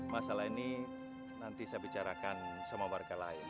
masalah ini nanti saya bicarakan sama warga lain